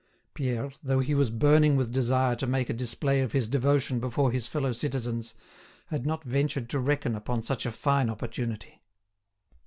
Pierre, though he was burning with desire to make a display of his devotion before his fellow citizens, had not ventured to reckon upon such a fine opportunity.